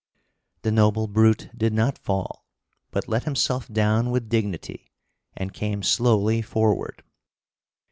The noble brute did not fall, but let himself down with dignity and came slowly forward.